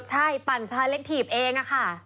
ใช่ปั่นสาเล็งถีบเองน่ะค่ะ